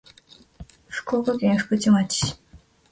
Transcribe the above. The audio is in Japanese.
福岡県福智町